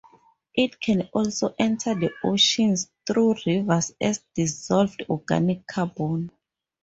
It can also enter the oceans through rivers as dissolved organic carbon.